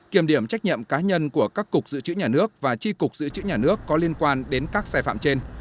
kiểm điểm trách nhiệm cá nhân của các cục dự trữ nhà nước và tri cục dự trữ nhà nước có liên quan đến các sai phạm trên